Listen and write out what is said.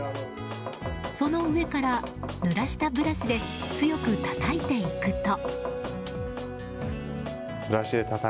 その上から、ぬらしたブラシで強くたたいていくと。